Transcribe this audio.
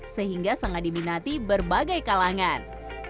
sehingga sangat diminati berbagai kalangan